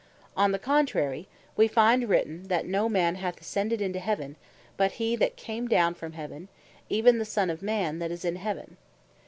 On the contrary, we find written (Joh. 3.13.) that "no man hath ascended into Heaven, but he that came down from Heaven, even the Son of man, that is in Heaven."